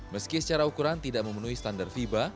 meski secara ukuran tidak memenuhi standar fiba